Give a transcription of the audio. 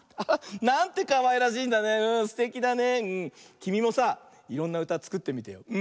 きみもさいろんなうたつくってみてよ。